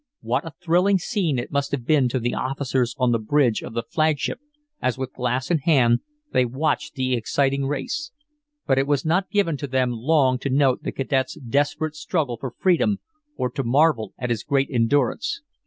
What a thrilling scene it must have been to the officers on the bridge of the flagship as with glass in hand they watched the exciting race. But it was not given to them long to note the cadet's desperate struggle for freedom, or to marvel at his great endurance.